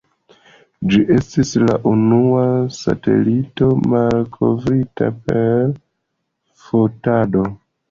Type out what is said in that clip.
Ĝi estis la unua satelito malkovrita per fotado.